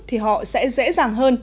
thì họ sẽ dễ dàng hơn